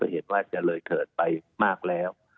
เหตุว่าจะเลยเถิดไปมากแล้ว